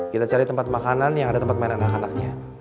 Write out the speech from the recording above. kita cari tempat makanan yang ada tempat main anak anaknya